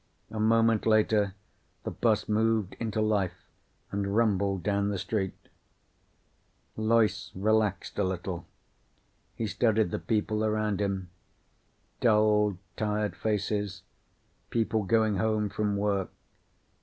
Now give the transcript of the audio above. A moment later the bus moved into life and rumbled down the street. Loyce relaxed a little. He studied the people around him. Dulled, tired faces. People going home from work.